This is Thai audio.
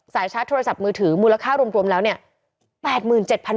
ชาร์จโทรศัพท์มือถือมูลค่ารวมแล้วเนี่ย